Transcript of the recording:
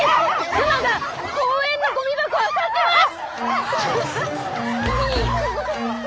熊が公園のゴミ箱をあさってます。